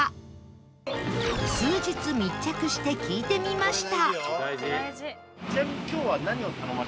数日密着して聞いてみました